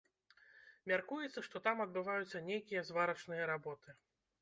Мяркуецца, што там адбываюцца нейкія зварачныя работы.